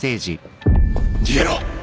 逃げろ！